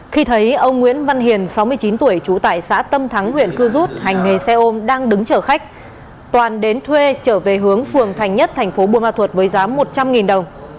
khi thấy ông nguyễn văn hiền sáu mươi chín tuổi trú tại xã tâm thắng huyện cư rút hành nghề xe ôm đang đứng chở khách toàn đến thuê trở về hướng phường thành nhất thành phố buôn ma thuột với giá một trăm linh đồng